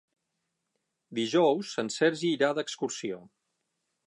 Dijous en Sergi irà d'excursió.